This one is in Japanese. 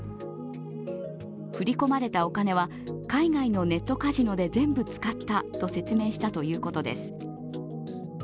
振り込まれたお金は海外のネットカジノで全部使ったと説明したということです。